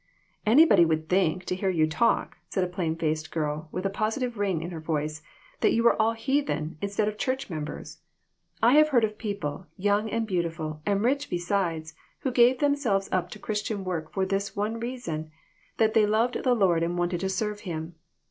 "Anybody would think, to hear you talk," said a plain faced girl, with a positive ring in her voice, " that you were all heathen, instead of church members. I have heard of people, young and beautiful, and rich beside, who gave them selves up to Christian work for this one reason, that they loved the Lord and wanted to serve Him.